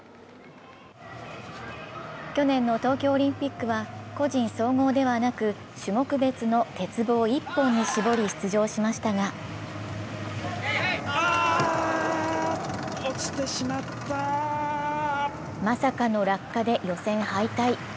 去年の東京オリンピックは個人総合ではなく種目別の鉄棒一本に絞り出場しましたがまさかの落下で予選敗退。